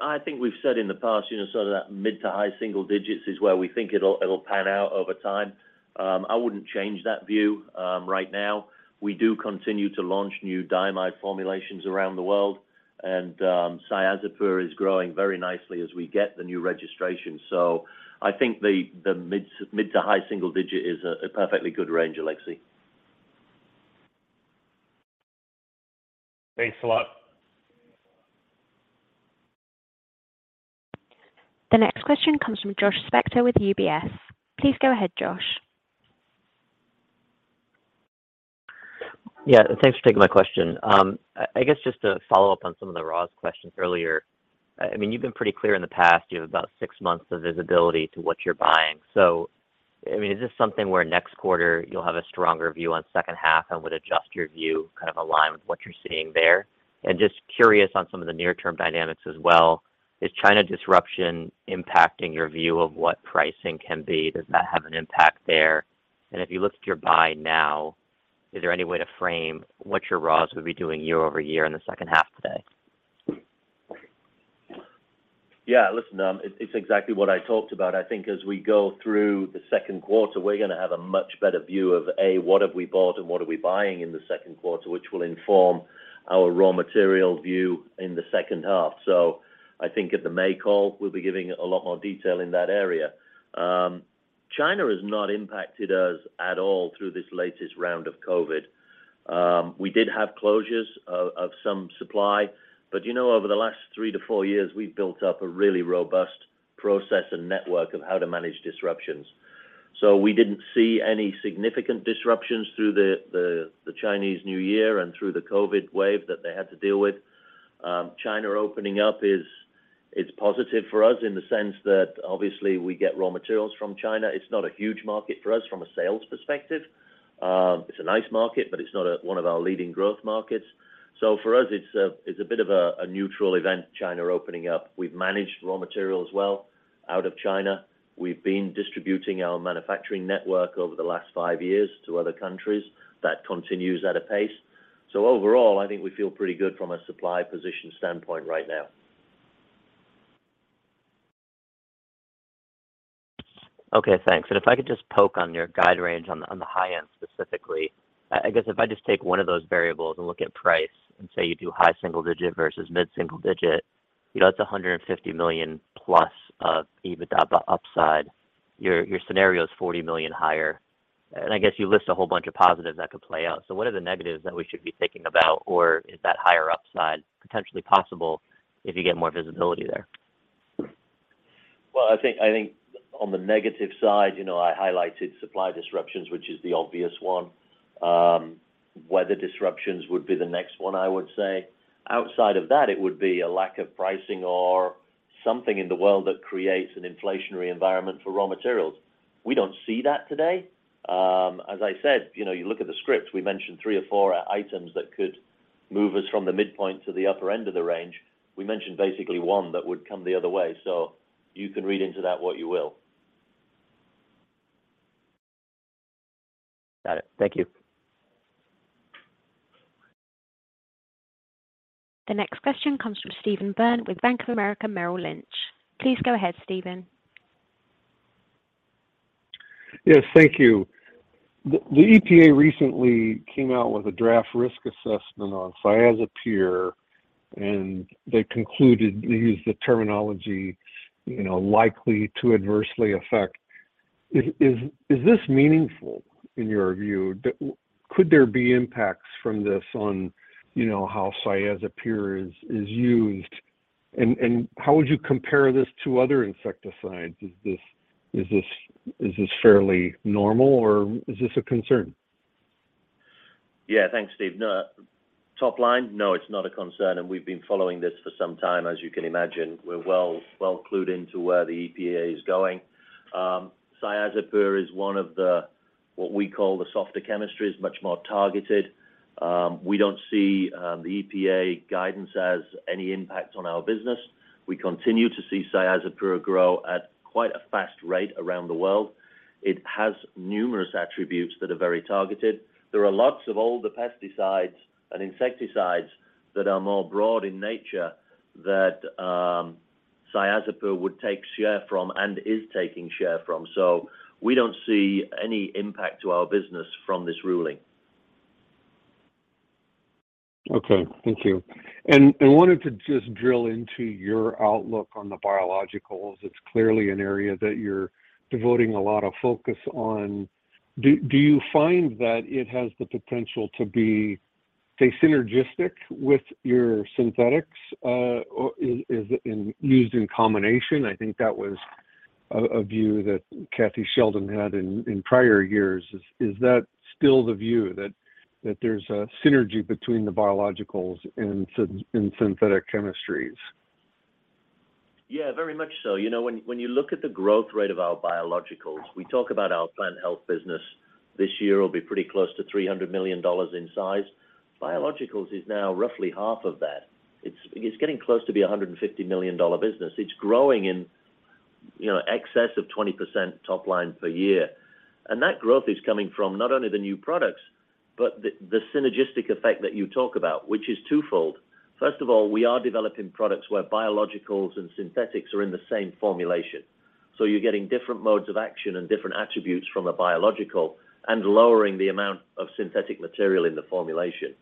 I think we've said in the past, you know, sort of that mid to high single digits is where we think it'll pan out over time. I wouldn't change that view, right now. We do continue to launch new diamide formulations around the world, and Cyazypyr is growing very nicely as we get the new registration. I think the mid to high single digit is a perfectly good range, Alexi. Thanks a lot. The next question comes from Josh Spector with UBS. Please go ahead, Josh. Yeah. Thanks for taking my question. I guess just to follow up on some of the raw questions earlier, I mean, you've been pretty clear in the past you have about six months of visibility to what you're buying. I mean, is this something where next quarter you'll have a stronger view on second half and would adjust your view, kind of align with what you're seeing there? Just curious on some of the near-term dynamics as well, is China disruption impacting your view of what pricing can be? Does that have an impact there? If you look at your buy now, is there any way to frame what your raws would be doing year-over-year in the second half today? Yeah. Listen, it's exactly what I talked about. I think as we go through the Q2, we're gonna have a much better view of, A, what have we bought and what are we buying in the Q2, which will inform our raw material view in the second half. I think at the May call, we'll be giving a lot more detail in that area. China has not impacted us at all through this latest round of COVID. We did have closures of some supply, but you know, over the last three to four years, we've built up a really robust process and network of how to manage disruptions. We didn't see any significant disruptions through the Chinese New Year and through the COVID wave that they had to deal with. China opening up is positive for us in the sense that obviously we get raw materials from China. It's not a huge market for us from a sales perspective. It's a nice market, but it's not one of our leading growth markets. For us, it's a bit of a neutral event, China opening up. We've managed raw materials well out of China. We've been distributing our manufacturing network over the last 5 years to other countries. That continues at a pace. Overall, I think we feel pretty good from a supply position standpoint right now. Okay, thanks. If I could just poke on your guide range on the, on the high end specifically. I guess if I just take one of those variables and look at price and say you do high single-digit versus mid single-digit, you know, that's $150 million plus of EBITDA upside. Your scenario is $40 million higher. I guess you list a whole bunch of positives that could play out. What are the negatives that we should be thinking about? Or is that higher upside potentially possible if you get more visibility there? Well, I think on the negative side, you know, I highlighted supply disruptions, which is the obvious one. Weather disruptions would be the next one, I would say. Outside of that, it would be a lack of pricing or something in the world that creates an inflationary environment for raw materials. We don't see that today. As I said, you know, you look at the script, we mentioned three or four items that could move us from the midpoint to the upper end of the range. We mentioned basically one that would come the other way. You can read into that what you will. Got it. Thank you. The next question comes from Stephen Byrne with Bank of America Merrill Lynch. Please go ahead, Stephen. Yes, thank you. The EPA recently came out with a draft risk assessment on thiacloprid, and they concluded, they used the terminology, you know, likely to adversely affect. Is this meaningful in your view? Could there be impacts from this on, you know, how thiacloprid is used? How would you compare this to other insecticides? Is this fairly normal, or is this a concern? Yeah. Thanks, Steve. No. top line, no, it's not a concern. We've been following this for some time, as you can imagine. We're well clued into where the EPA is going. Thiacloprid is one of the what we call the softer chemistries, much more targeted. We don't see the EPA guidance as any impact on our business. We continue to see thiacloprid grow at quite a fast rate around the world. It has numerous attributes that are very targeted. There are lots of older pesticides and insecticides that are more broad in nature that thiacloprid would take share from and is taking share from. We don't see any impact to our business from this ruling. Okay. Thank you. I wanted to just drill into your outlook on the biologicals. It's clearly an area that you're devoting a lot of focus on. Do you find that it has the potential to be, say, synergistic with your synthetics? Or is it used in combination? I think that was a view that Kathy Sheldon had in prior years. Is that still the view that there's a synergy between the biologicals and synthetic chemistries? Yeah, very much so. You know, when you look at the growth rate of our biologicals, we talk about our plant health business this year will be pretty close to $300 million in size. Biologicals is now roughly half of that. It's getting close to be a $150 million business. It's growing in, you know, excess of 20% top line per year. That growth is coming from not only the new products but the synergistic effect that you talk about, which is twofold. First of all, we are developing products where biologicals and synthetics are in the same formulation. You're getting different modes of action and different attributes from a biological and lowering the amount of synthetic material in the formulation.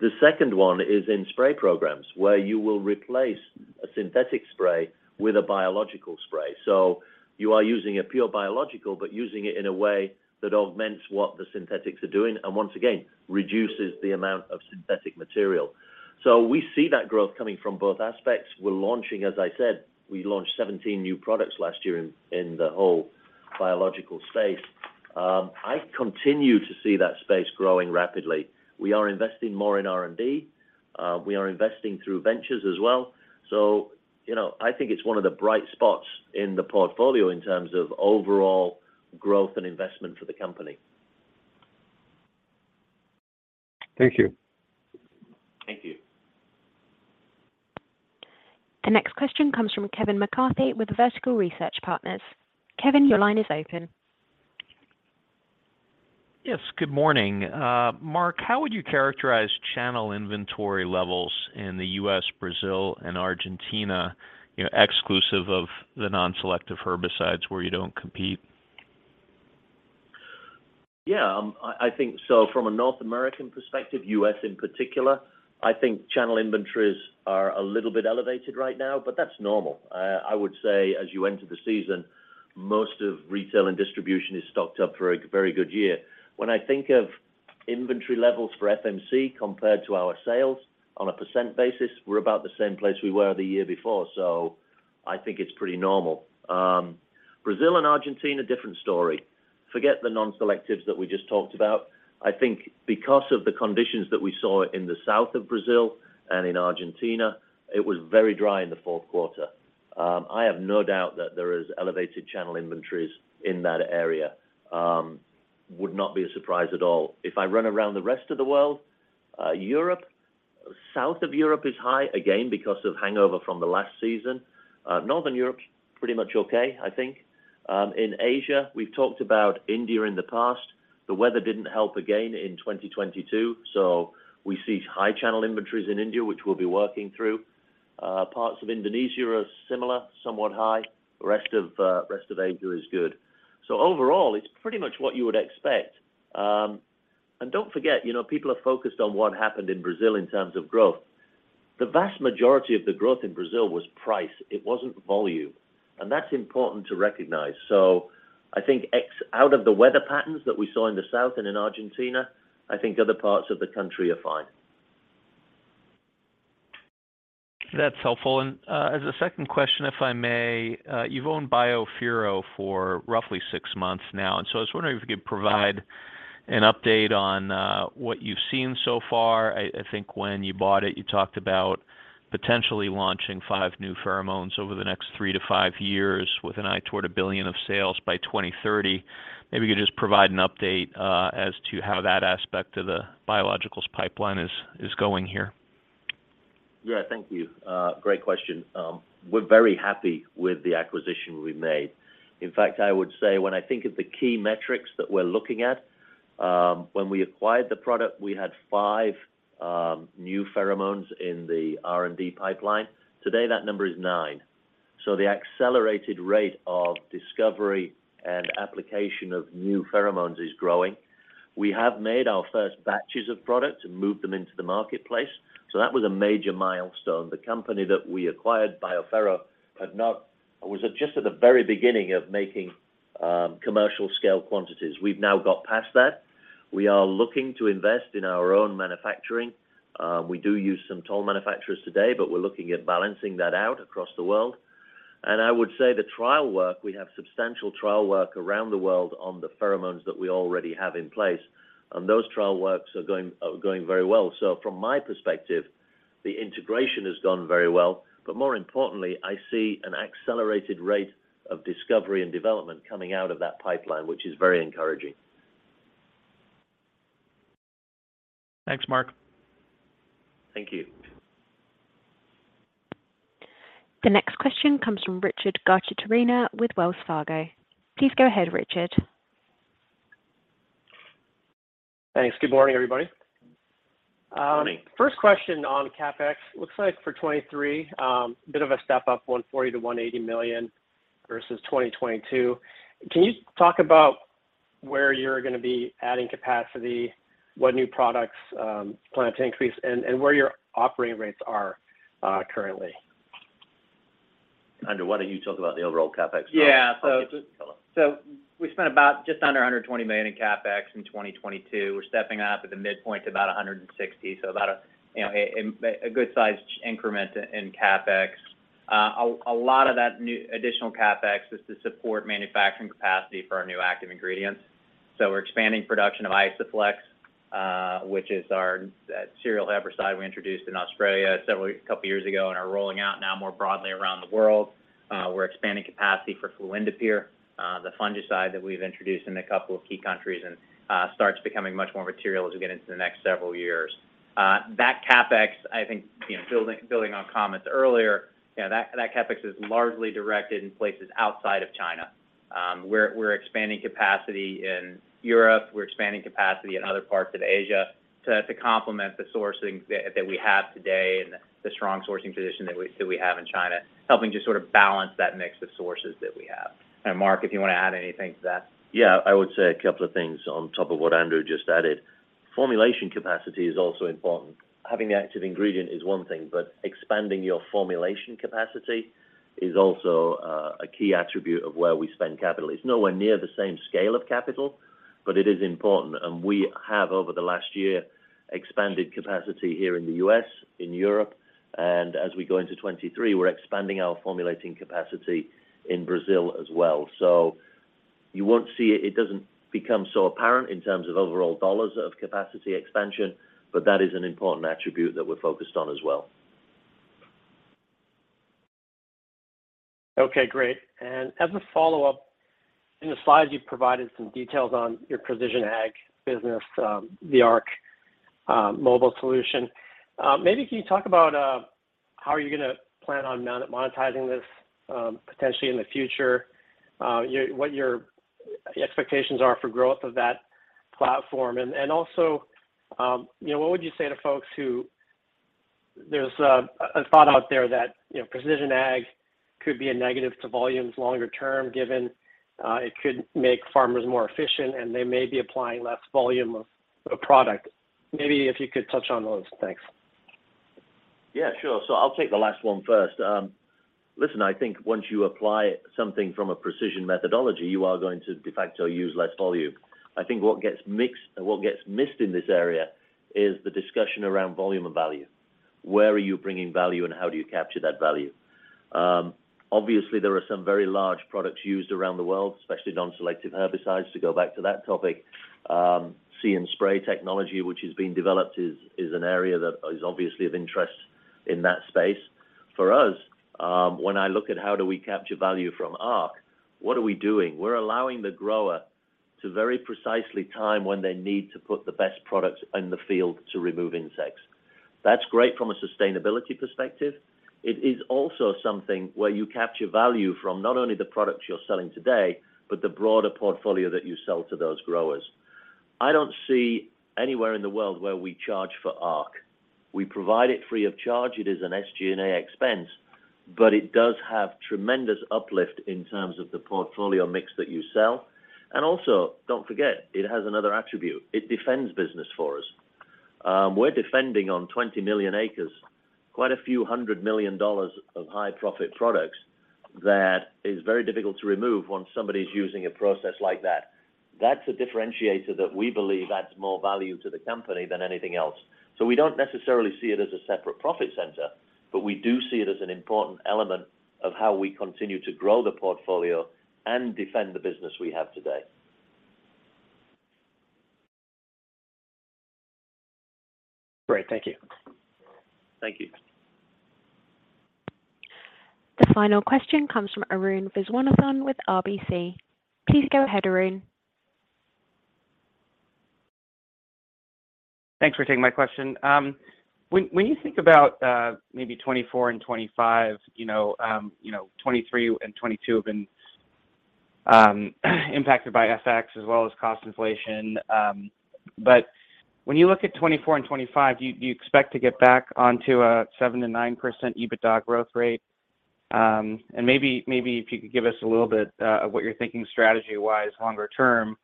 The second one is in spray programs, where you will replace a synthetic spray with a biological spray. You are using a pure biological, but using it in a way that augments what the synthetics are doing and, once again, reduces the amount of synthetic material. We see that growth coming from both aspects. We're launching, as I said, we launched 17 new products last year in the whole biological space. I continue to see that space growing rapidly. We are investing more in R&D. We are investing through ventures as well. You know, I think it's one of the bright spots in the portfolio in terms of overall growth and investment for the company. Thank you. Thank you. The next question comes from Kevin McCarthy with Vertical Research Partners. Kevin, your line is open. Yes. Good morning. Mark, how would you characterize channel inventory levels in the US, Brazil, and Argentina, you know, exclusive of the non-selective herbicides where you don't compete? I think so from a North American perspective, U.S. in particular, I think channel inventories are a little bit elevated right now, but that's normal. I would say as you enter the season, most of retail and distribution is stocked up for a very good year. When I think of inventory levels for FMC compared to our sales on a percent basis, we're about the same place we were the year before. I think it's pretty normal. Brazil and Argentina, different story. Forget the non-selectives that we just talked about. I think because of the conditions that we saw in the south of Brazil and in Argentina, it was very dry in the Q4. I have no doubt that there is elevated channel inventories in that area. Would not be a surprise at all. If I run around the rest of the world, Europe, South of Europe is high, again, because of hangover from the last season. Northern Europe, pretty much okay, I think. In Asia, we've talked about India in the past. The weather didn't help again in 2022, so we see high channel inventories in India, which we'll be working through. Parts of Indonesia are similar, somewhat high. The rest of Asia is good. Overall, it's pretty much what you would expect. Don't forget, you know, people are focused on what happened in Brazil in terms of growth. The vast majority of the growth in Brazil was price. It wasn't volume. That's important to recognize. I think out of the weather patterns that we saw in the south and in Argentina, I think other parts of the country are fine. That's helpful. As a second question, if I may, you've owned BioPhero for roughly 6 months now. I was wondering if you could provide an update on what you've seen so far. I think when you bought it, you talked about potentially launching 5 new pheromones over the next 3 to 5 years with an eye toward $1 billion of sales by 2030. Maybe you could just provide an update as to how that aspect of the biologicals pipeline is going here. Yeah, thank you. Great question. We're very happy with the acquisition we made. In fact, I would say when I think of the key metrics that we're looking at, when we acquired the product, we had 5 new pheromones in the R&D pipeline. Today, that number is 9. The accelerated rate of discovery and application of new pheromones is growing. We have made our first batches of product and moved them into the marketplace. That was a major milestone. The company that we acquired, BioPhero, was just at the very beginning of making commercial scale quantities. We've now got past that. We are looking to invest in our own manufacturing. We do use some toll manufacturers today, but we're looking at balancing that out across the world. I would say the trial work, we have substantial trial work around the world on the pheromones that we already have in place, and those trial works are going very well. From my perspective, the integration has gone very well. More importantly, I see an accelerated rate of discovery and development coming out of that pipeline, which is very encouraging. Thanks, Mark. Thank you. The next question comes from Richard Garchitorena with Wells Fargo. Please go ahead, Richard. Thanks. Good morning, everybody. Morning. First question on CapEx. Looks like for 2023, a bit of a step up, $140 million-$180 million versus 2022. Can you talk about where you're gonna be adding capacity, what new products plan to increase, and where your operating rates are currently? Andrew, why don't you talk about the overall CapEx part? Yeah. We spent about just under $120 million in CapEx in 2022. We're stepping up at the midpoint to about $160 million. About a, you know, a good sized increment in CapEx. A lot of that new additional CapEx is to support manufacturing capacity for our new active ingredients. We're expanding production of Isoflex, which is our serial herbicide we introduced in Australia a couple years ago and are rolling out now more broadly around the world. We're expanding capacity for fluindapyr, the fungicide that we've introduced in a couple of key countries and starts becoming much more material as we get into the next several years. that CapEx, I think, you know, building on comments earlier, you know, that CapEx is largely directed in places outside of China. We're expanding capacity in Europe, we're expanding capacity in other parts of Asia to complement the sourcing that we have today and the strong sourcing position that we have in China, helping to sort of balance that mix of sources that we have. Mark, if you wanna add anything to that? Yeah, I would say a couple of things on top of what Andrew just added. Formulation capacity is also important. Having the active ingredient is one thing, but expanding your formulation capacity is also a key attribute of where we spend capital. It's nowhere near the same scale of capital, but it is important. We have, over the last year, expanded capacity here in the U.S., in Europe, and as we go into 23, we're expanding our formulating capacity in Brazil as well. You won't see it. It doesn't become so apparent in terms of overall $ of capacity expansion, but that is an important attribute that we're focused on as well. Okay, great. As a follow-up, in the slides, you've provided some details on your Precision Ag business, the Arc mobile solution. Maybe can you talk about how are you going to plan on monetizing this potentially in the future? What your expectations are for growth of that platform? Also, you know, what would you say to folks who. There's a thought out there that, you know, Precision Ag could be a negative to volumes longer term, given it could make farmers more efficient, and they may be applying less volume of a product. Maybe if you could touch on those. Thanks. Yeah, sure. I'll take the last one first. Listen, I think once you apply something from a precision methodology, you are going to de facto use less volume. I think what gets missed in this area is the discussion around volume and value. Where are you bringing value, and how do you capture that value? Obviously, there are some very large products used around the world, especially non-selective herbicides, to go back to that topic. See & Spray technology, which is being developed, is an area that is obviously of interest in that space. For us, when I look at how do we capture value from Arc, what are we doing? We're allowing the grower to very precisely time when they need to put the best products in the field to remove insects. That's great from a sustainability perspective. It is also something where you capture value from not only the products you're selling today, but the broader portfolio that you sell to those growers. I don't see anywhere in the world where we charge for Arc. We provide it free of charge. It is an SG&A expense, but it does have tremendous uplift in terms of the portfolio mix that you sell. Also, don't forget, it has another attribute. It defends business for us. We're defending on 20 million acres, quite a few $100 million of high profit products that is very difficult to remove when somebody's using a process like that. That's a differentiator that we believe adds more value to the company than anything else. We don't necessarily see it as a separate profit center, but we do see it as an important element of how we continue to grow the portfolio and defend the business we have today. Great. Thank you. Thank you. The final question comes from Arun Viswanathan with RBC. Please go ahead, Arun. Thanks for taking my question. When you think about maybe 2024 and 2025, 2023 and 2022 have been impacted by FX as well as cost inflation. But when you look at 2024 and 2025, do you expect to get back onto a 7%-9% EBITDA growth rate? And maybe if you could give us a little bit of what you're thinking strategy-wise longer term.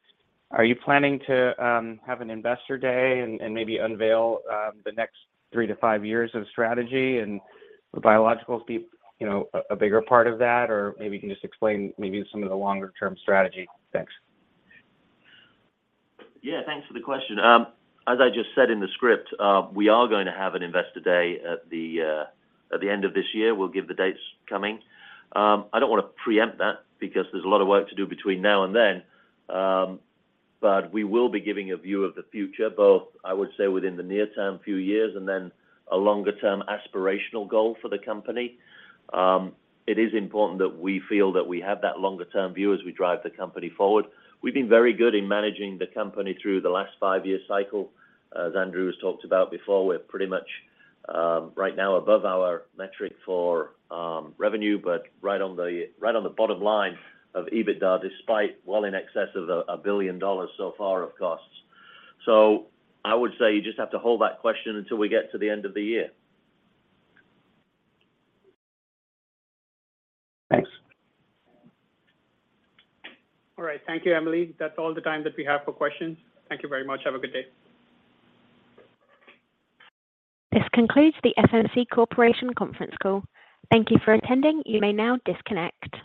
Are you planning to have an investor day and maybe unveil the next 3-5 years of strategy and would biologicals be a bigger part of that? Or maybe you can just explain maybe some of the longer term strategy. Thanks. Yeah, thanks for the question. As I just said in the script, we are going to have an investor day at the end of this year. We'll give the dates coming. I don't wanna preempt that because there's a lot of work to do between now and then. We will be giving a view of the future, both, I would say, within the near-term few years and then a longer-term aspirational goal for the company. It is important that we feel that we have that longer term view as we drive the company forward. We've been very good in managing the company through the last five-year cycle. As Andrew has talked about before, we're pretty much right now above our metric for revenue, but right on the, right on the bottom line of EBITDA, despite well in excess of $1 billion so far of costs. I would say you just have to hold that question until we get to the end of the year. Thanks. All right. Thank you, Emily. That's all the time that we have for questions. Thank you very much. Have a good day. This concludes the FMC Corporation conference call. Thank you for attending. You may now disconnect.